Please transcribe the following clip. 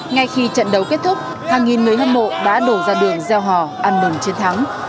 ngay khi trận đấu kết thúc hàng nghìn người hâm mộ đã đổ ra đường gieo hò ăn nồn chiến thắng